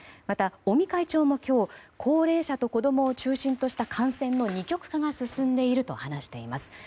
また、尾身会長も今日高齢者と子供を中心とした感染の二極化が進んでいると話しています。